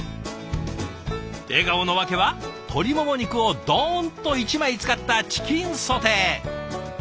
笑顔のわけは鶏もも肉をどんと１枚使ったチキンソテー。